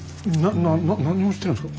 な何をしてるんすか？